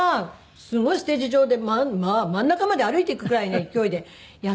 すごいステージ上で真ん中まで歩いていくくらいの勢いでやったんですよ。